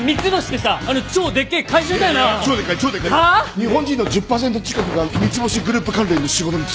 日本人の１０％近くが三ツ星グループ関連の仕事に就いてるはずだ。